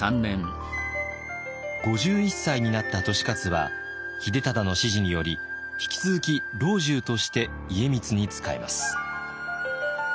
５１歳になった利勝は秀忠の指示により引き続き老中として家光に仕えます。